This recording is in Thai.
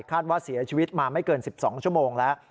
ว่าเสียชีวิตมาไม่เกิน๑๒ชั่วโมงแล้ว